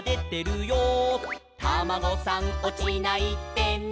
「タマゴさんおちないでね」